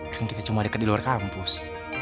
kan kita cuma deket diluar kampus